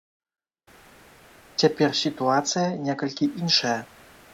Цяпер сітуацыя некалькі іншая.